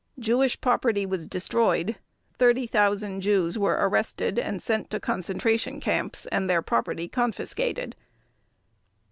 Jewish property was destroyed, 30,000 Jews were arrested and sent to concentration camps and their property confiscated.